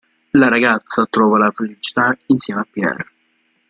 La ragazza trova la felicità insieme a Pierre.